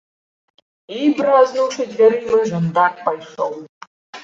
І, бразнуўшы дзвярыма, жандар пайшоў.